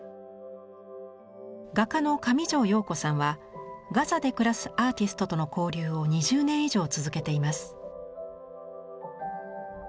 画家の上條陽子さんはガザで暮らすアーティストとの交流を２０年以上続けています。